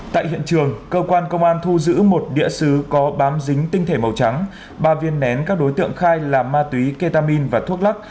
tại hiện trường cơ quan công an thu giữ một đĩa xứ có bám dính tinh thể màu trắng ba viên nén các đối tượng khai là ma túy ketamin và thuốc lắc